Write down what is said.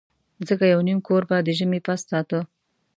ځکه یو نیم کور به د ژمي پس ساته.